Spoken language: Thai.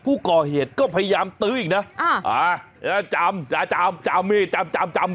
ผู้ก่อเหตุก็พยายามตื้ออีกน่ะเออเอ๋อจำจำจำมีดจำจำ